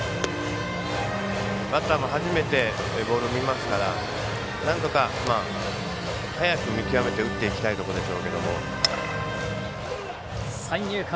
バッターも初めてボールを見ますからなんとか、早く見極めて打っていきたいところでしょうけども。